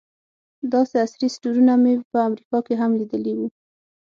داسې عصري سټورونه مې په امریکا کې هم لږ لیدلي وو.